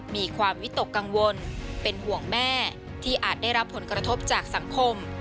มีความวิตกกังวลเป็นห่วงแม่ที่อาจได้รับผลกระทบจากสังคม